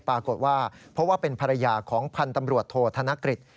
ปรากฏว่าเพราะว่าเป็นภรรยาของพันธ์ตำรวจโทษธนกฤษ